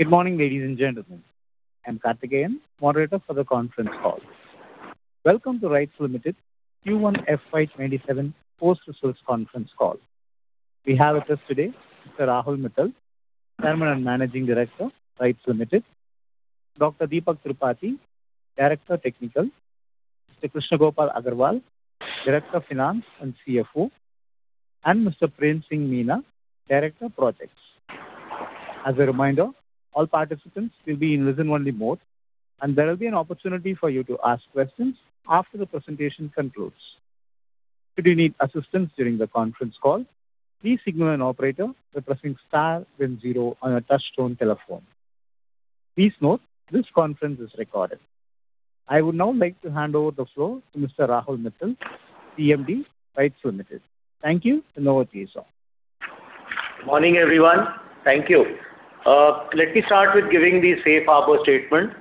Good morning, ladies and gentlemen. I'm [Karthikeyan] moderator for the conference call. Welcome to RITES Limited Q1 FY 2027 post research conference call. We have with us today Mr. Rahul Mithal, Chairman and Managing Director, RITES Limited; Dr. Deepak Tripathi, Director Technical; Mr. Krishna Gopal Agarwal, Director Finance and CFO; and Mr. Prem Singh Meena, Director Projects. As a reminder, all participants will be in listen-only mode, and there will be an opportunity for you to ask questions after the presentation concludes. Should you need assistance during the conference call, please signal an operator by pressing star then zero on your touchtone telephone. Please note this conference is recorded. I would now like to hand over the floor to Mr. Rahul Mithal, CMD, RITES Limited. Thank you, and over to you, sir. Morning everyone. Thank you. Let me start with giving the safe harbor statement.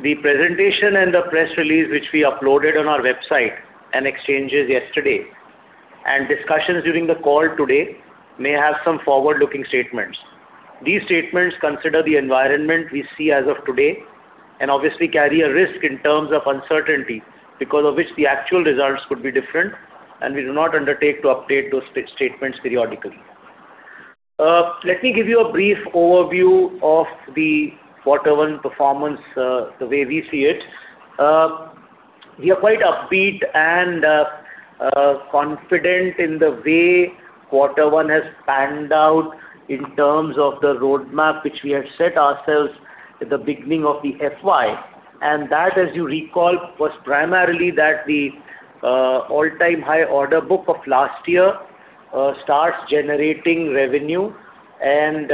The presentation and the press release which we uploaded on our website and exchanges yesterday, and discussions during the call today may have some forward-looking statements. These statements consider the environment we see as of today, and obviously carry a risk in terms of uncertainty because of which the actual results could be different, and we do not undertake to update those statements periodically. Let me give you a brief overview of the quarter one performance, the way we see it. We are quite upbeat and confident in the way quarter one has panned out in terms of the roadmap which we had set ourselves at the beginning of the FY. That, as you recall, was primarily that the all-time high order book of last year starts generating revenue and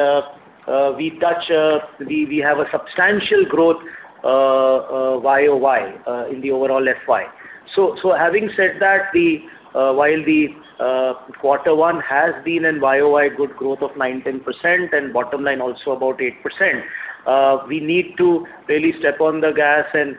we have a substantial growth YoY in the overall FY. Having said that while the quarter one has been in YoY good growth of 19%, and bottom line also about 8%. We need to really step on the gas and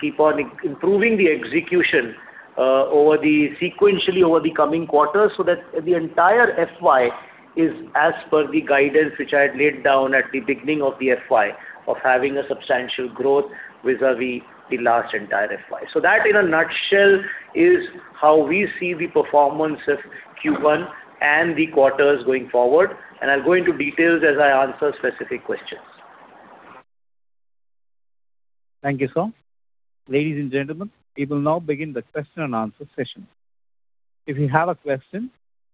keep on improving the execution sequentially over the coming quarters so that the entire FY is as per the guidance which I had laid down at the beginning of the FY of having a substantial growth vis-a-vis the last entire FY. That in a nutshell is how we see the performance of Q1 and the quarters going forward, and I'll go into details as I answer specific questions. Thank you, sir. Ladies and gentlemen, we will now begin the question-and-answer session. If you have a question,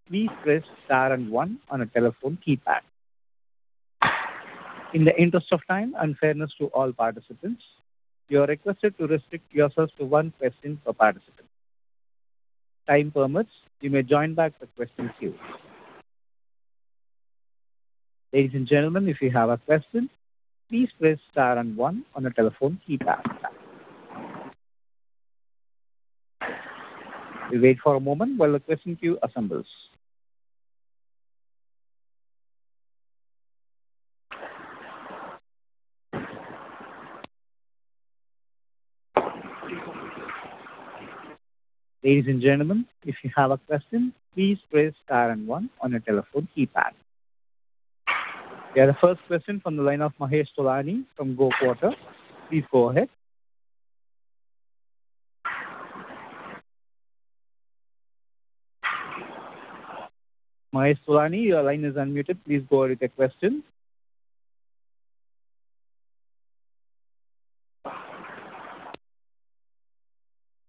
please press star and one on your telephone keypad. In the interest of time and fairness to all participants, you are requested to restrict yourselves to one question per participant. Time permits, you may join back the question queue. Ladies and gentlemen, if you have a question, please press star and one on your telephone keypad. We wait for a moment while the question queue assembles. Ladies and gentlemen, if you have a question, please press star and one on your telephone keypad. We have the first question from the line of Mahesh Tolani from GoQuarter. Please go ahead. Mahesh Tolani, your line is unmuted. Please go ahead with your question.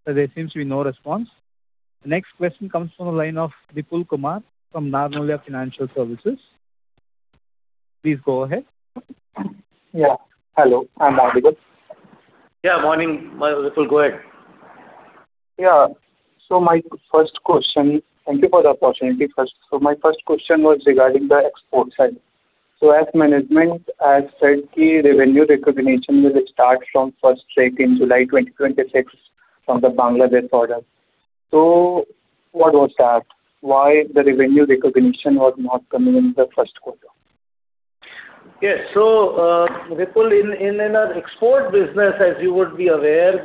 There seems to be no response. The next question comes from the line of Vipul Kumar from Narnolia Financial Services. Please go ahead. Hello, am I audible?. Morning. Vipul, go ahead. Thank you for the opportunity. My first question was regarding the export side. As management has said, the revenue recognition will start from first rake in July 2026 from the Bangladesh order. Why was that? Why the revenue recognition was not coming in the first quarter? Yes. Vipul, in our export business, as you would be aware,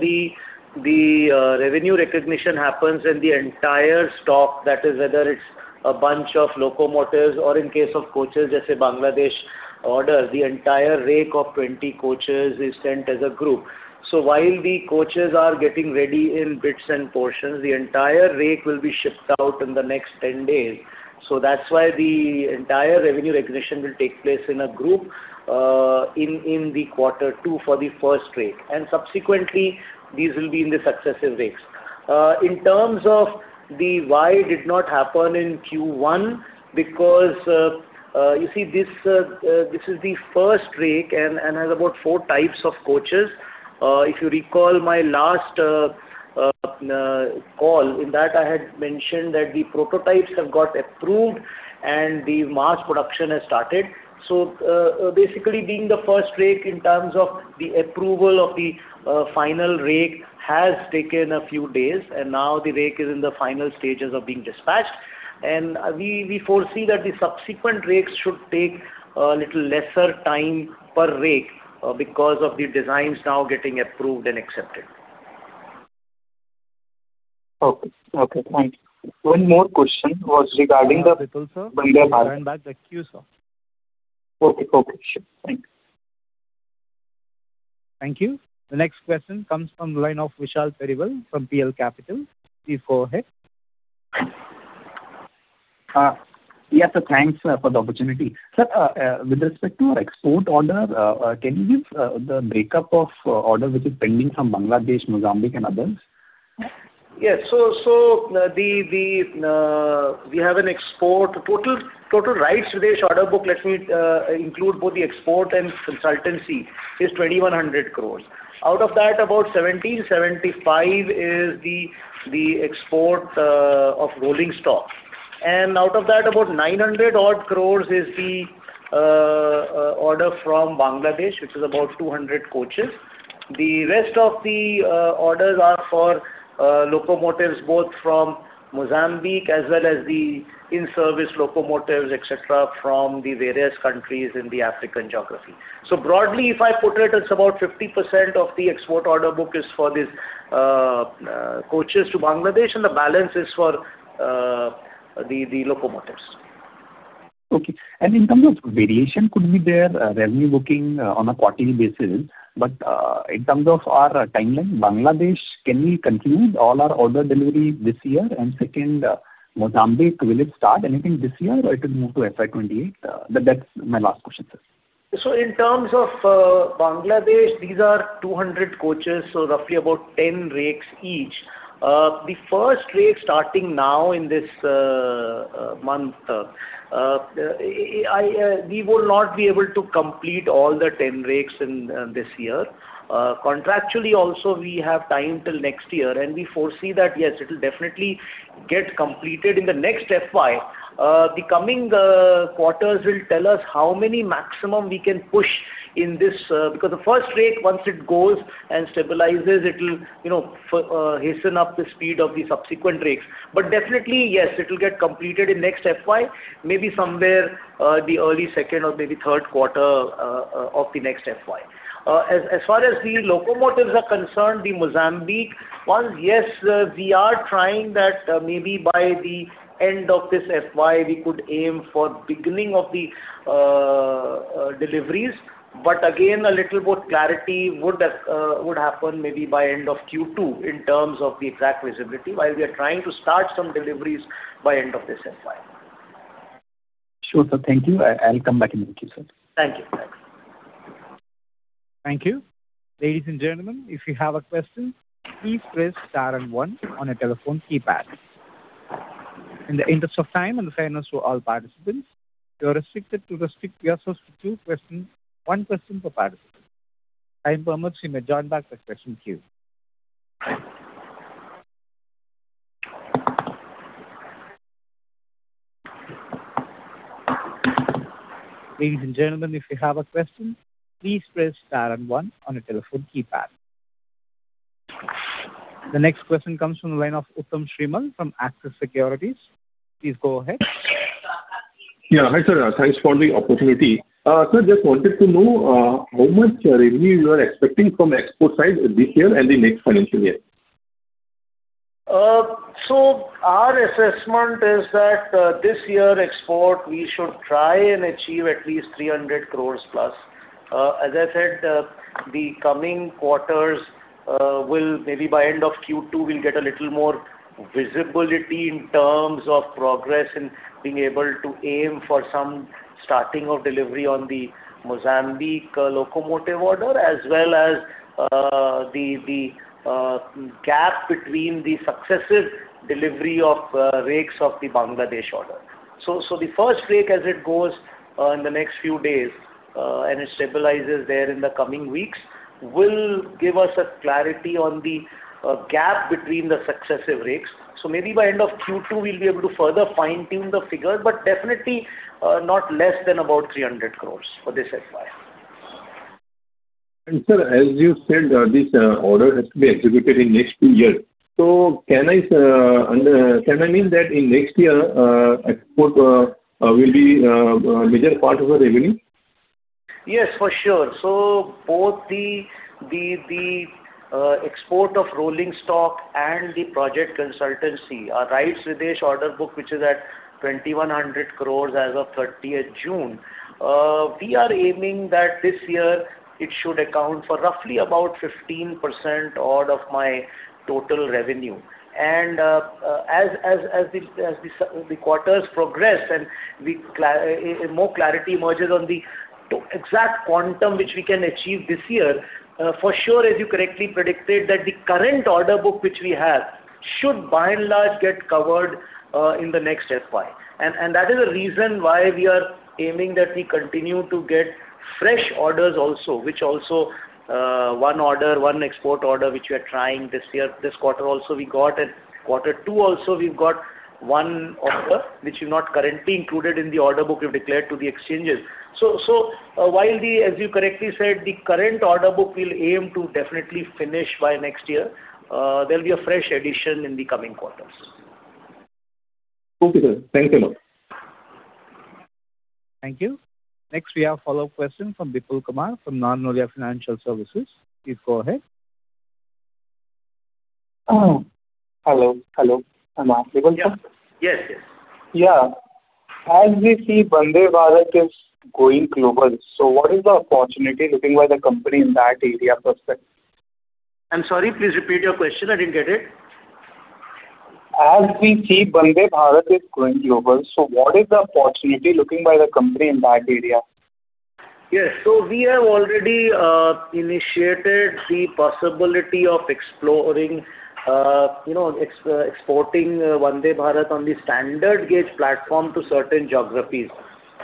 the revenue recognition happens when the entire stock, that is, whether it's a bunch of locomotives or in case of coaches, as a Bangladesh order, the entire rake of 20 coaches is sent as a group. While the coaches are getting ready in bits and portions, the entire rake will be shipped out in the next 10 days. That's why the entire revenue recognition will take place in a group in the quarter two for the first rake, and subsequently these will be in the successive rakes. In terms of the why it did not happen in Q1, because you see, this is the first rake and has about four types of coaches. If you recall my last call, in that I had mentioned that the prototypes have got approved and the mass production has started. Basically being the first rake in terms of the approval of the final rake has taken a few days, now the rake is in the final stages of being dispatched. We foresee that the subsequent rakes should take a little lesser time per rake because of the designs now getting approved and accepted. Okay, thank you. One more question was regarding the- Vipul sir. Stand back in queue sir. Okay, sure. Thanks. Thank you. The next question comes from the line of Vishal Periwal from PL Capital. Please go ahead. Yeah. Thanks for the opportunity. Sir, with respect to export order, can you give the breakup of order which is pending from Bangladesh, Mozambique and others? Yes. We have an export. Total RITES order book, let me include both the export and consultancy, is 2,100 crore. Out of that about 1,775 is the export of rolling stock. Out of that about 900-odd crore is the order from Bangladesh, which is about 200 coaches. The rest of the orders are for locomotives, both from Mozambique as well as the in-service locomotives, etc, from the various countries in the African geography. Broadly, if I put it's about 50% of the export order book is for these coaches to Bangladesh and the balance is for the locomotives. Okay. In terms of variation could be there, revenue booking on a quarterly basis. In terms of our timeline, Bangladesh, can we conclude all our order delivery this year? Second, Mozambique, will it start anything this year or it will move to FY 2028? That's my last question, sir. In terms of Bangladesh, these are 200 coaches, roughly about 10 rakes each. The first rake starting now in this month. We will not be able to complete all the 10 rakes in this year. Contractually also we have time till next year and we foresee that yes, it will definitely get completed in the next FY. The coming quarters will tell us how many maximum we can push in this. Because the first rake, once it goes and stabilizes, it will hasten up the speed of the subsequent rakes. Definitely yes, it will get completed in next FY, maybe somewhere the early second or maybe third quarter of the next FY. As far as the locomotives are concerned, the Mozambique ones, yes, we are trying that maybe by the end of this FY we could aim for beginning of the deliveries. Again, a little more clarity would happen maybe by end of Q2 in terms of the exact visibility while we are trying to start some deliveries by end of this FY. Sure sir, thank you. I will come back in the queue sir. Thank you. Thank you. Ladies and gentlemen, if you have a question, please press star and one on your telephone keypad. In the interest of time and fairness to all participants, you are restricted to one question per participant. Time permits you may join back the question queue. Ladies and gentlemen, if you have a question, please press star and one on your telephone keypad. The next question comes from the line of Uttam Srimal from Axis Securities. Please go ahead. Yeah. Hi, sir. Thanks for the opportunity. Sir, just wanted to know how much revenue you are expecting from export side this year and the next financial year. Our assessment is that this year export we should try and achieve at least 300 crore+. As I said, the coming quarters will maybe by end of Q2, we'll get a little more visibility in terms of progress in being able to aim for some starting of delivery on the Mozambique locomotive order, as well as the gap between the successive delivery of rakes of the Bangladesh order. The first rake as it goes in the next few days, and it stabilizes there in the coming weeks, will give us a clarity on the gap between the successive rakes. Maybe by end of Q2, we'll be able to further fine-tune the figures, but definitely not less than about 300 crore for this FY. Sir, as you said, this order has to be executed in next two years. Can I mean that in next year, export will be a major part of the revenue? Yes, for sure. Both the export of rolling stock and the project consultancy, our RITES Videsh order book, which is at 2,100 crore as of June 30th. We are aiming that this year it should account for roughly about 15% odd of my total revenue. As the quarters progress and more clarity emerges on the exact quantum which we can achieve this year, for sure, as you correctly predicted that the current order book which we have should by and large get covered in the next FY. That is the reason why we are aiming that we continue to get fresh orders also, which also one export order, which we are trying this year. This quarter also we got and quarter two also we've got one order, which is not currently included in the order book we've declared to the exchanges. While the, as you correctly said, the current order book we'll aim to definitely finish by next year. There'll be a fresh addition in the coming quarters. Okay, sir. Thank you. Thank you. Next, we have follow-up question from Vipul Kumar from Narnolia Financial Services. Please go ahead. Hello, hello. Am I audible, sir? Yes. Yeah. As we see Vande Bharat is going global, what is the opportunity looking by the company in that area prospect? I'm sorry, please repeat your question. I didn't get it. As we see Vande Bharat is going global, what is the opportunity looking by the company in that area? Yes. We have already initiated the possibility of exploring exporting Vande Bharat on the standard gauge platform to certain geographies.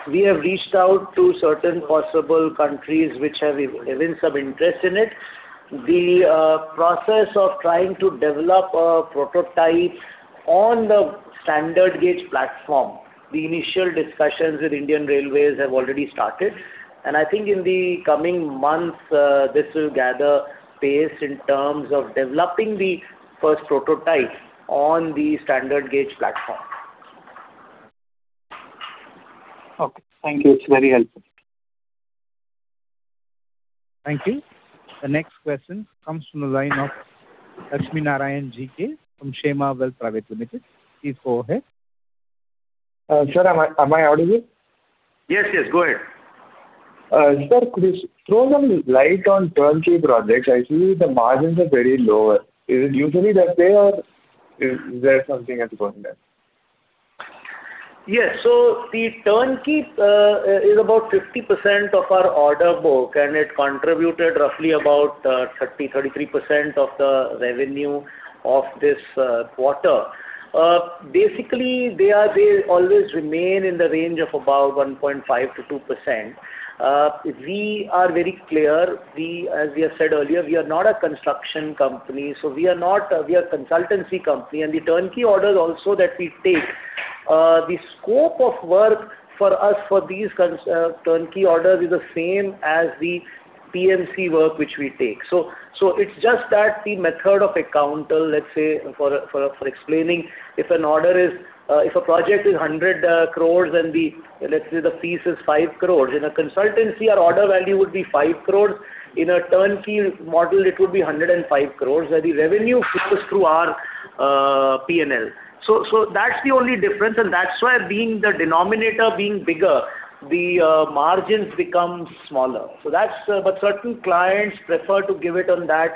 We have reached out to certain possible countries which have even some interest in it. The process of trying to develop a prototype on the standard gauge platform, the initial discussions with Indian Railways have already started, and I think in the coming months, this will gather pace in terms of developing the first prototype on the standard gauge platform. Okay. Thank you. It is very helpful. Thank you. The next question comes from the line of Lakshmi Narayanan GK from KSEMA Wealth Private Limited. Please go ahead. Sir, am I audible? Yes. Go ahead. Sir, could you throw some light on turnkey projects? I see the margins are very lower. Is it usually that way or is there something else going there? Yes. The turnkey is about 50% of our order book, and it contributed roughly about 30%-33% of the revenue of this quarter. Basically, they always remain in the range of about 1.5%-2%. We are very clear. As we have said earlier, we are not a construction company. We are a consultancy company, and the turnkey orders also that we take, the scope of work for us for these turnkey orders is the same as the PMC work which we take. It's just that the method of account, let's say, for explaining, if a project is 100 crore and the, let's say, the fees is 5 crore. In a consultancy, our order value would be 5 crore. In a turnkey model, it would be 105 crore, where the revenue flows through our P&L. That's the only difference, and that's why the denominator being bigger, the margins become smaller. Certain clients prefer to give it on that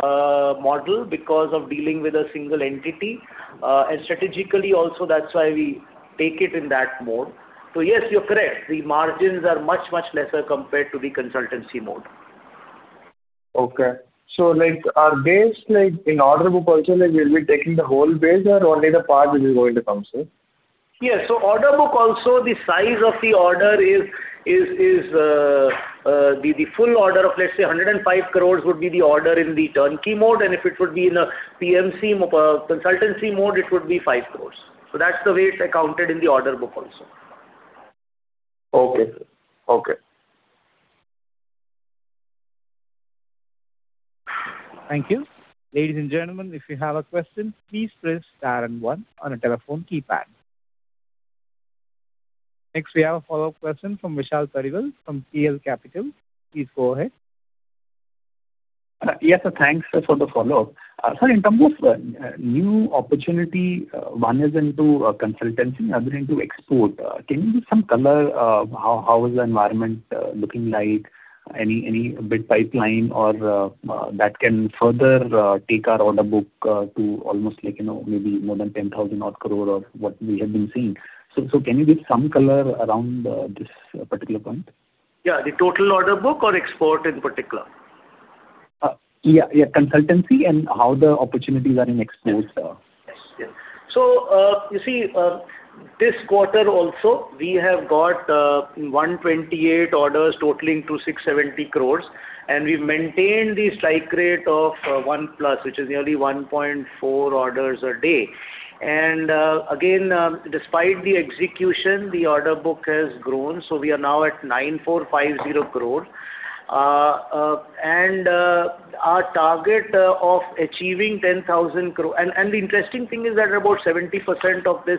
model because of dealing with a single entity. Strategically also, that's why we take it in that mode. Yes, you're correct. The margins are much, much lesser compared to the consultancy mode. Okay. Like in order book also, like we'll be taking the whole base or only the part which is going to come, sir? Yes. Order book also, the size of the order is, the full order of, let's say, 105 crore would be the order in the turnkey mode, and if it would be in a PMC consultancy mode, it would be 5 crore. That's the way it's accounted in the order book also. Okay. Thank you. Ladies and gentlemen, if you have a question, please press star and one on your telephone keypad. Next, we have a follow-up question from Vishal Periwal from PL Capital. Please go ahead. Yes, sir. Thanks, sir, for the follow-up. Sir, in terms of new opportunity, one is into consultancy and other into export. Can you give some color? How is the environment looking like? Any big pipeline or that can further take our order book to almost maybe more than 10,000-odd crore of what we have been seeing. Can you give some color around this particular point? Yeah. The total order book or export in particular? Yeah, consultancy and how the opportunities are in export. Yes. You see, this quarter also, we have got 128 orders totaling to 670 crore, and we've maintained the strike rate of 1+, which is nearly 1.4 orders a day. Again, despite the execution, the order book has grown. We are now at 9,450 crore. Our target of achieving 10,000 crore. The interesting thing is that about 70% of these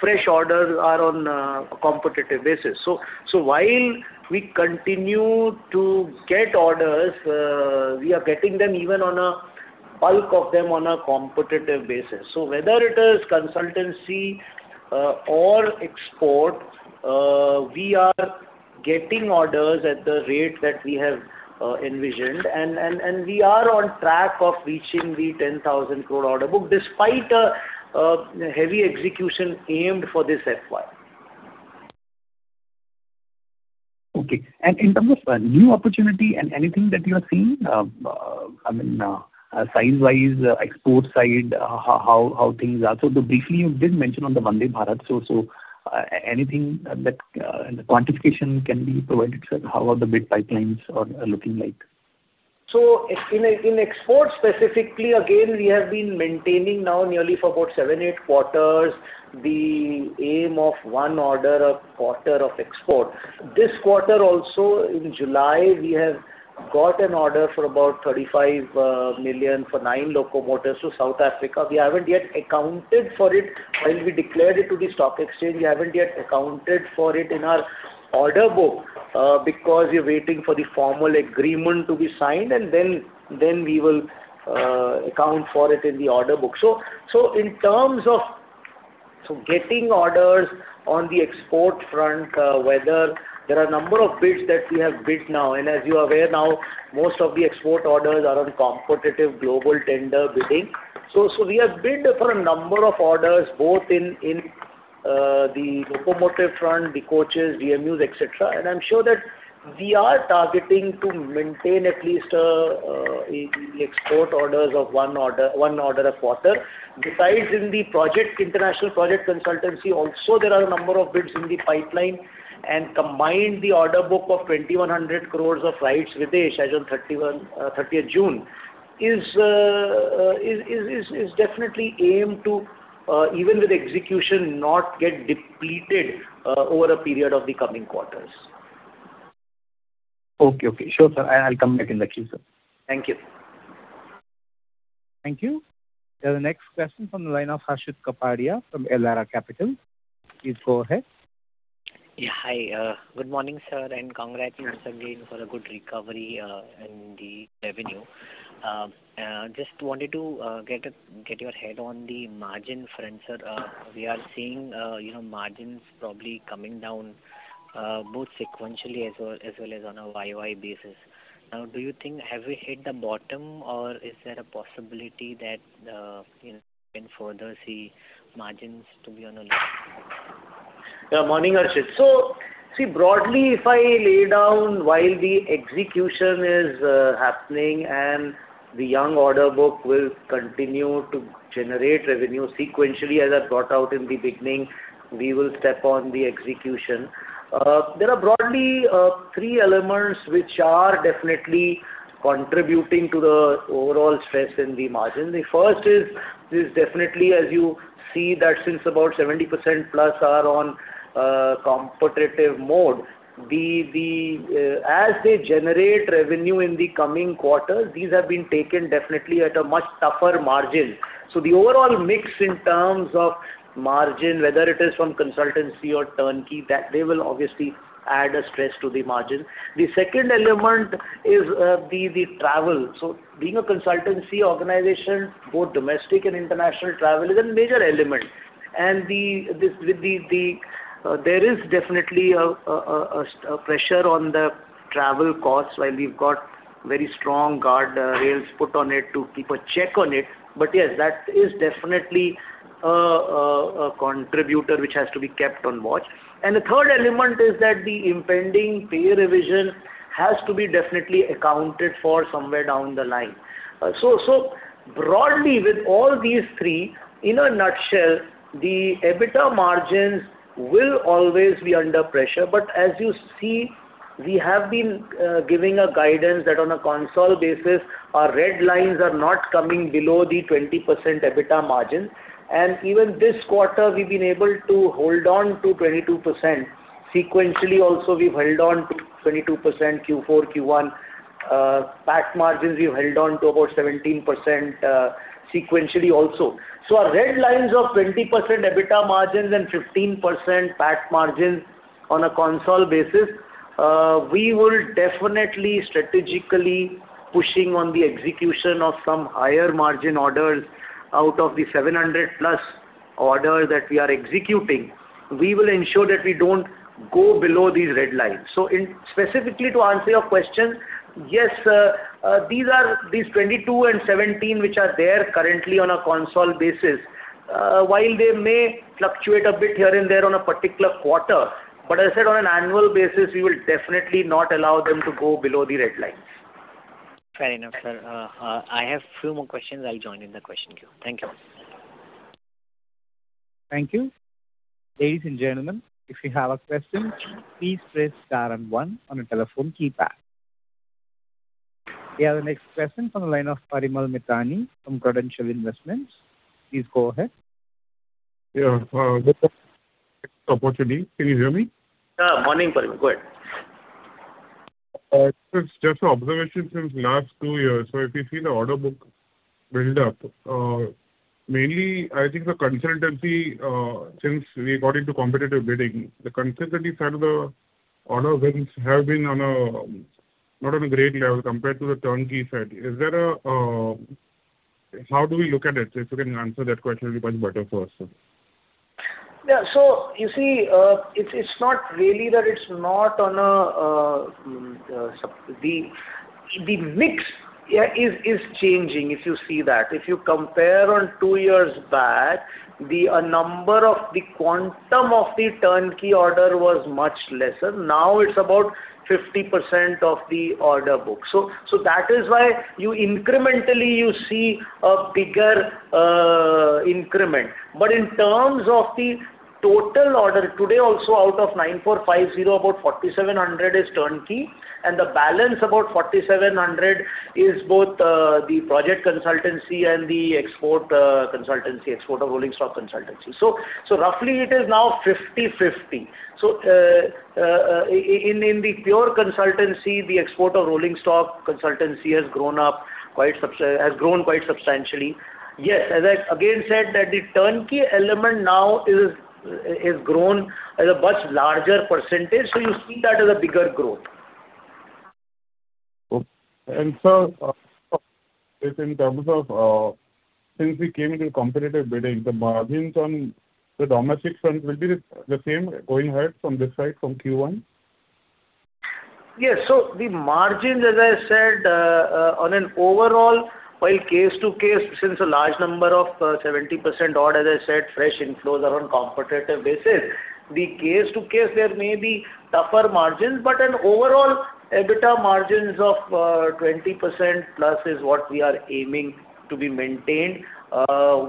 fresh orders are on a competitive basis. While we continue to get orders, we are getting bulk of them on a competitive basis. Whether it is consultancy or export, we are getting orders at the rate that we have envisioned, and we are on track of reaching the 10,000 crore order book, despite a heavy execution aimed for this FY. Okay. In terms of new opportunity and anything that you are seeing, I mean, size-wise, export side, how things are. Briefly, you did mention on the Vande Bharat, anything that quantification can be provided, sir? How are the big pipelines are looking like? In export specifically, again, we have been maintaining now nearly for about seven, eight quarters, the aim of one order a quarter of export. This quarter also, in July, we have got an order for about 35 million for nine locomotives to South Africa. We haven't yet accounted for it. While we declared it to the stock exchange, we haven't yet accounted for it in our order book because we are waiting for the formal agreement to be signed, and then we will account for it in the order book. In terms of getting orders on the export front, there are a number of bids that we have bid now, and as you are aware now, most of the export orders are on competitive global tender bidding. We have bid for a number of orders, both in the locomotive front, the coaches, DMUs, etc, and I'm sure that we are targeting to maintain at least export orders of one order a quarter. Besides in the international project consultancy also, there are a number of bids in the pipeline, and combined the order book of 2,100 crore of RITES Videsh as on June 30th, is definitely aimed to, even with execution, not get depleted over a period of the coming quarters. Okay. Sure, sir. I'll come back in the queue, sir. Thank you. Thank you. The next question from the line of Harshit Kapadia from Elara Capital. Please go ahead. Yeah. Hi. Good morning, sir, and congrats once again for a good recovery in the revenue. Just wanted to get your head on the margin front, sir. We are seeing margins probably coming down both sequentially as well as on a YoY basis. Do you think have we hit the bottom or is there a possibility that we can further see margins to be on a low? Yeah. Morning, Harshit. See, broadly, if I lay down while the execution is happening and the young order book will continue to generate revenue sequentially, as I brought out in the beginning, we will step on the execution. There are broadly three elements which are definitely contributing to the overall stress in the margin. The first is definitely, as you see that since about 70%+ are on competitive mode, as they generate revenue in the coming quarters, these have been taken definitely at a much tougher margin. The overall mix in terms of margin, whether it is from consultancy or turnkey, that they will obviously add a stress to the margin. The second element is the travel. Being a consultancy organization, both domestic and international travel is a major element. There is definitely a pressure on the travel costs. While we've got very strong guardrails put on it to keep a check on it. Yes, that is definitely a contributor which has to be kept on watch. The third element is that the impending pay revision has to be definitely accounted for somewhere down the line. Broadly, with all these three, in a nutshell, the EBITDA margins will always be under pressure. As you see, we have been giving a guidance that on a console basis, our red lines are not coming below the 20% EBITDA margin. Even this quarter, we've been able to hold on to 22%. Sequentially also, we've held on to 22% Q4, Q1. PAT margins, we've held on to about 17% sequentially also. Our red lines of 20% EBITDA margins and 15% PAT margins on a consolidated basis, we will definitely strategically pushing on the execution of some higher margin orders out of the 700+ orders that we are executing. We will ensure that we don't go below these red lines. Specifically to answer your question, yes, these 22% and 17%, which are there currently on a consolidated basis, while they may fluctuate a bit here and there on a particular quarter, but as I said, on an annual basis, we will definitely not allow them to go below the red lines. Fair enough, sir. I have few more questions. I'll join in the question queue. Thank you. Thank you. Ladies and gentlemen, if you have a question, please press star and one on your telephone keypad. We have the next question from the line of Parimal Mithani from Credential Investments. Please go ahead. Yeah. Good afternoon. Can you hear me? Morning, Parimal. Go ahead. It's just an observation since last two years. If you see the order book build up, mainly, I think the consultancy, since we got into competitive bidding, the consultancy side of the order wins have been not on a great level compared to the turnkey side. How do we look at it? If you can answer that question, it'll be much better for us, sir. You see, it's not really that it's not on a The mix is changing, if you see that. If you compare on two years back, the number of the quantum of the turnkey order was much lesser. Now it's about 50% of the order book. That is why incrementally, you see a bigger increment. In terms of the total order, today also out of 9,450, about 4,700 is turnkey, and the balance, about 4,700, is both the project consultancy and the export consultancy, export of rolling stock consultancy. Roughly, it is now 50/50. In the pure consultancy, the export of rolling stock consultancy has grown quite substantially. Yes, as I again said that the turnkey element now is grown at a much larger percentage, so you see that as a bigger growth. Sir, in terms of since we came into competitive bidding, the margins on the domestic front will be the same going ahead from this side, from Q1? Yes. The margins, as I said, on an overall, while case to case, since a large number of 70% odd, as I said, fresh inflows are on competitive basis. The case to case, there may be tougher margins. On overall, EBITDA margins of 20%+ is what we are aiming to be maintained.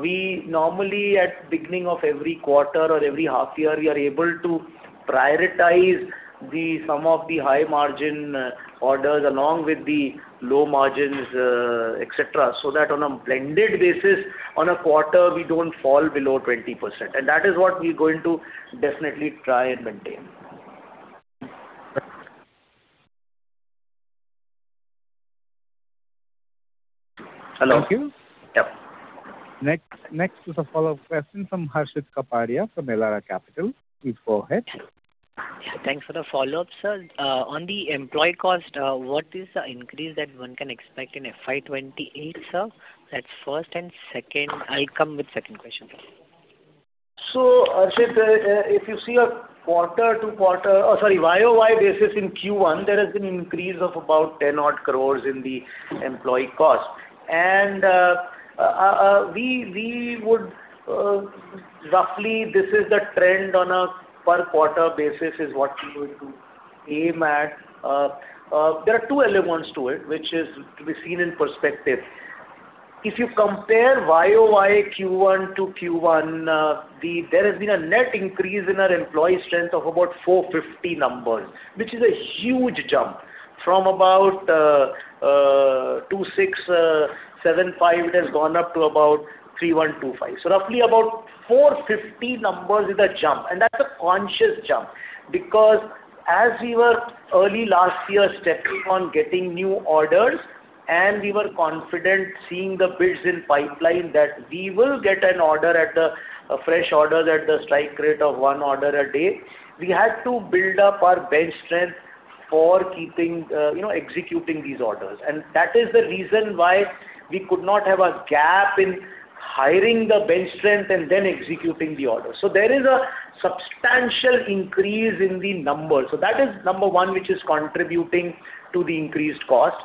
We normally, at beginning of every quarter or every half year, we are able to prioritize some of the high margin orders along with the low margins, etc, so that on a blended basis on a quarter, we don't fall below 20%. That is what we're going to definitely try and maintain. Thank you. Hello? Yeah. Next is a follow-up question from Harshit Kapadia from Elara Capital. Please go ahead. Thanks for the follow-up, sir. On the employee cost, what is the increase that one can expect in FY 2028, sir? That's first. Second, I'll come with second question. Harshit, if you see a quarter-to-quarter, sorry, YoY basis in Q1, there has been increase of about 10-odd crore in the employee cost. Roughly, this is the trend on a per quarter basis is what we're going to aim at. There are two elements to it, which is to be seen in perspective. If you compare YoY Q1-Q1, there has been a net increase in our employee strength of about 450 numbers, which is a huge jump from about 2,675, it has gone up to about 3,125. Roughly about 450 numbers is a jump, and that's a conscious jump because as we were early last year stepping on getting new orders, and we were confident seeing the bids in pipeline that we will get fresh orders at the strike rate of one order a day, we had to build up our bench strength for executing these orders. That is the reason why we could not have a gap in hiring the bench strength and then executing the order. There is a substantial increase in the numbers. That is number one, which is contributing to the increased cost.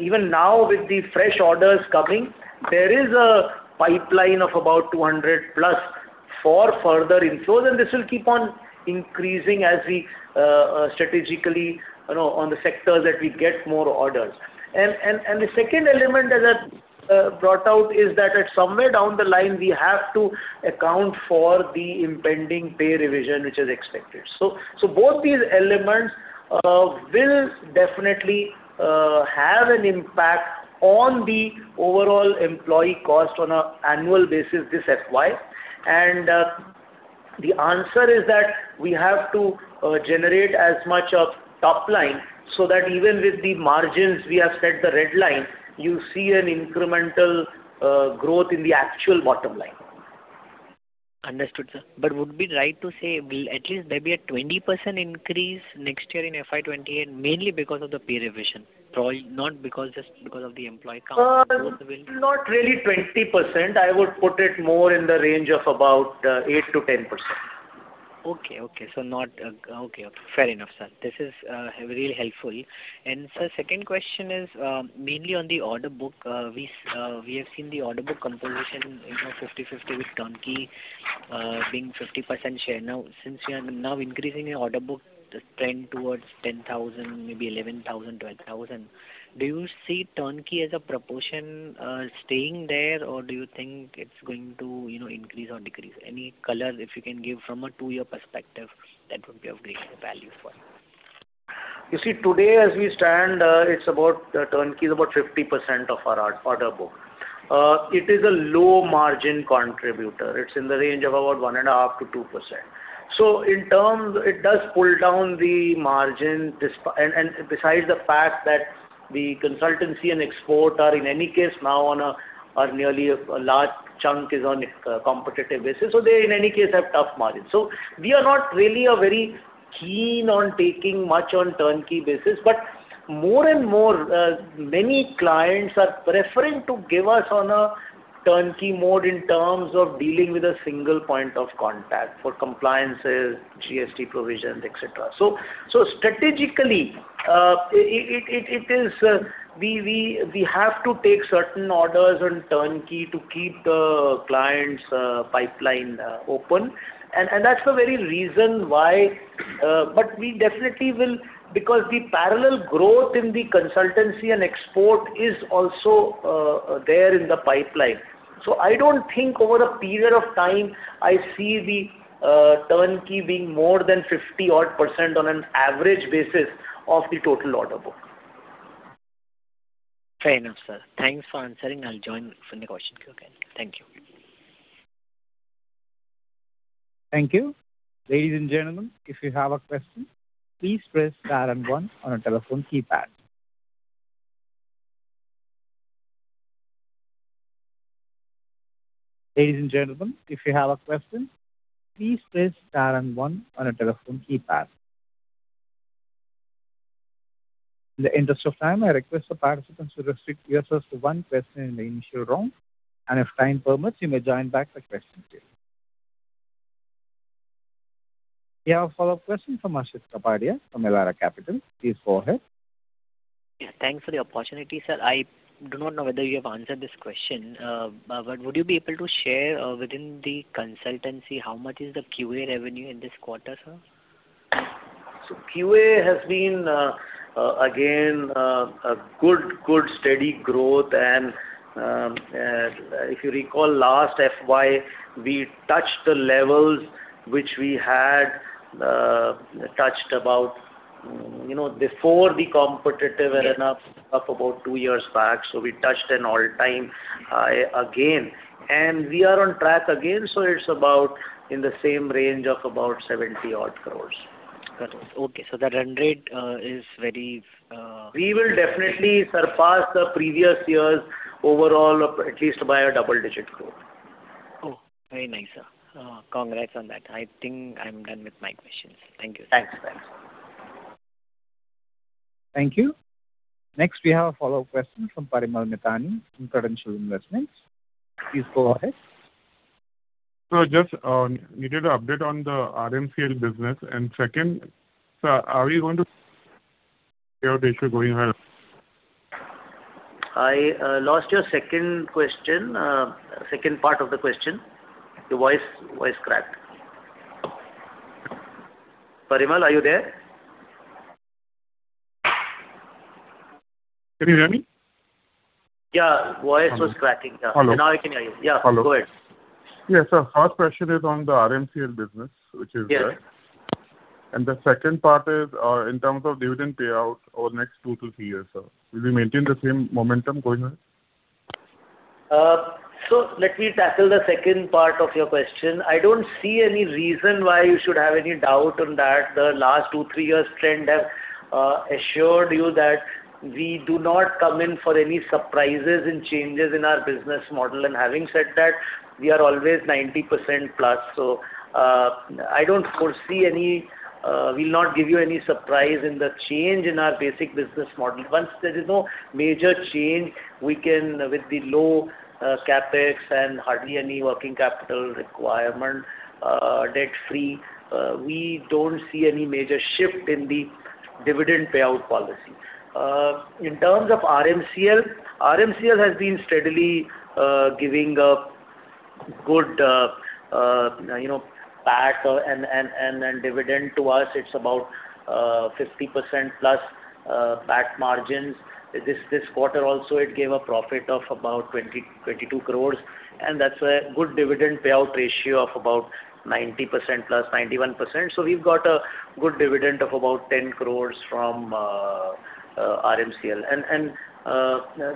Even now with the fresh orders coming, there is a pipeline of about 200+ for further inflows, and this will keep on increasing as we strategically on the sectors that we get more orders. The second element that I brought out is that at somewhere down the line, we have to account for the impending pay revision, which is expected. Both these elements will definitely have an impact on the overall employee cost on an annual basis this FY. The answer is that we have to generate as much of top line so that even with the margins we have set the red line, you see an incremental growth in the actual bottom line. Understood, sir. Would it be right to say, will at least there be a 20% increase next year in FY 2028, mainly because of the pay revision? Not just because of the employee count. Not really 20%. I would put it more in the range of about 8%-10%. Okay. Fair enough, sir. This is really helpful. Sir, second question is mainly on the order book. We have seen the order book composition, 50/50 with turnkey being 50% share. Now, since we are now increasing the order book trend towards 10,000, maybe 11,000, 12,000, do you see turnkey as a proportion staying there, or do you think it's going to increase or decrease? Any color if you can give from a two-year perspective, that would be of great value for us. You see, today as we stand, turnkey is about 50% of our order book. It is a low-margin contributor. It's in the range of about 1.5%-2%. In terms, it does pull down the margin. Besides the fact that the consultancy and export are in any case now on a, or nearly a large chunk is on a competitive basis. They, in any case, have tough margins. We are not really very keen on taking much on turnkey basis, but more and more, many clients are preferring to give us on a turnkey mode in terms of dealing with a single point of contact for compliances, GST provisions, etc. Strategically, we have to take certain orders on turnkey to keep the client's pipeline open. That's the very reason why. We definitely will, because the parallel growth in the consultancy and export is also there in the pipeline. I don't think over a period of time, I see the turnkey being more than 50-odd% on an average basis of the total order book. Fair enough, sir. Thanks for answering. I'll join for the question queue again. Thank you. Thank you. Ladies and gentlemen, if you have a question, please press star and one on your telephone keypad. Ladies and gentlemen, if you have a question, please press star and one on your telephone keypad. In the interest of time, I request the participants to restrict yourself to one question in the initial round, and if time permits, you may join back the question queue. We have a follow-up question from Harshit Kapadia from Elara Capital. Please go ahead. Thanks for the opportunity, sir. I do not know whether you have answered this question. Would you be able to share within the consultancy, how much is the QA revenue in this quarter, sir? QA has been, again, a good, steady growth and if you recall last FY, we touched the levels which we had touched about before the competitive revenue up- Yes. ...of about two years back. We touched an all-time high again. We are on track again, it's about in the same range of about 70-odd crore. 70 crore. Okay, that run rate is ready- We will definitely surpass the previous years overall, at least by a double-digit growth. Oh, very nice, sir. Congrats on that. I think I'm done with my questions. Thank you, sir. Thanks. Thank you. We have a follow-up question from Parimal Mithani from Credential Investments. Please go ahead. Sir, just needed an update on the REMCL business. Second, sir, are we going well? I lost your second part of the question. Your voice cracked. Parimal, are you there? Can you hear me? Yeah, voice was cracking. Hello. Now I can hear you. Hello. Yeah, go ahead. Yes, sir. First question is on the REMCL business, which is there. Yes. The second part is, in terms of dividend payout over next two to three years, sir. Will we maintain the same momentum going ahead? Let me tackle the second part of your question. I don't see any reason why you should have any doubt on that. The last two, three years trend have assured you that we do not come in for any surprises and changes in our business model. Having said that, we are always 90%+. We'll not give you any surprise in the change in our basic business model. Once there is no major change, we can, with the low CapEx and hardly any working capital requirement, debt-free, we don't see any major shift in the Dividend payout policy. In terms of REMCL has been steadily giving a good PAT and dividend to us. It's about 50%+ PAT margins. This quarter also, it gave a profit of about 22 crore, that's a good dividend payout ratio of about 90%+, 91%. We've got a good dividend of about 10 crore from REMCL.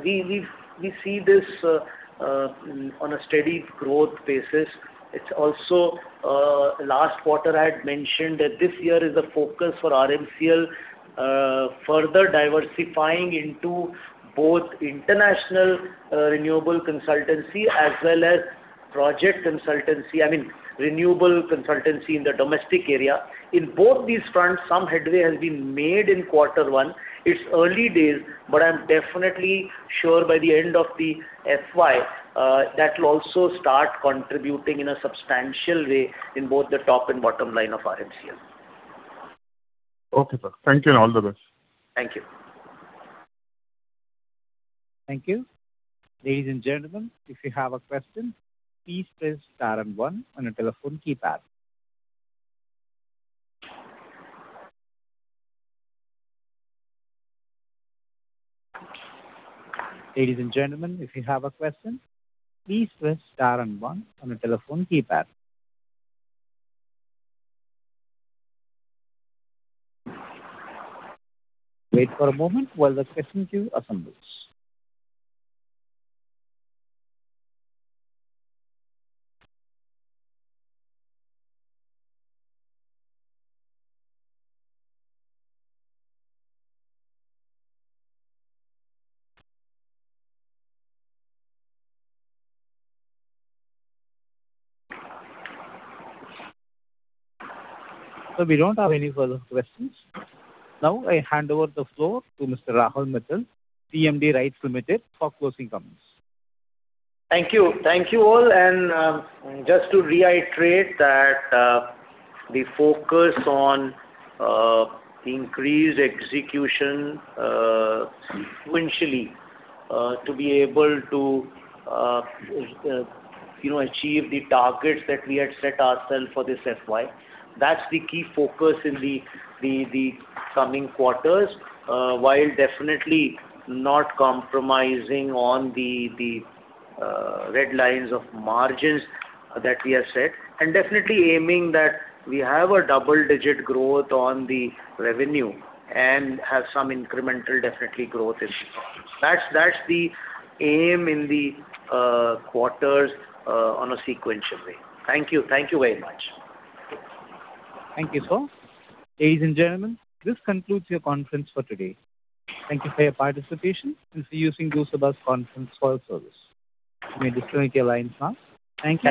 We see this on a steady growth basis. Last quarter, I had mentioned that this year is a focus for REMCL further diversifying into both international renewable consultancy as well as project consultancy, I mean, renewable consultancy in the domestic area. In both these fronts, some headway has been made in quarter one. It's early days, but I'm definitely sure by the end of the FY, that'll also start contributing in a substantial way in both the top and bottom line of REMCL. Okay, sir. Thank you, and all the best. Thank you. Thank you. Ladies and gentlemen, if you have a question, please press star and one on your telephone keypad. Ladies and gentlemen, if you have a question, please press star and one on your telephone keypad. Wait for a moment while the question queue assembles. Sir, we don't have any further questions. I hand over the floor to Mr. Rahul Mithal, CMD RITES Limited, for closing comments. Thank you. Thank you all. Just to reiterate that the focus on increased execution sequentially to be able to achieve the targets that we had set ourselves for this FY. That's the key focus in the coming quarters, while definitely not compromising on the red lines of margins that we have set, and definitely aiming that we have a double-digit growth on the revenue and have some incremental definitely growth in profits. That's the aim in the quarters on a sequential way. Thank you. Thank you very much. Thank you, sir. Ladies and gentlemen, this concludes your conference for today. Thank you for your participation. This is disconnecting your lines now. Thank you.